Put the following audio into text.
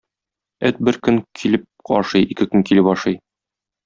Эт бер көн килеп ашый, ике көн килеп ашый.